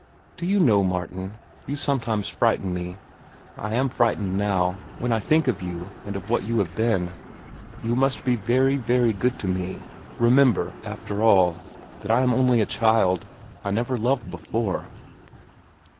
"Do you know, Martin, you sometimes frighten me. I am frightened now, when I think of you and of what you have been. You must be very, very good to me. Remember, after all, that I am only a child. I never loved before."